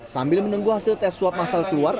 sambil menunggu hasil tes swab masal keluar